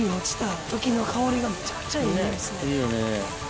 いいよね。